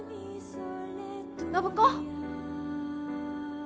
暢子！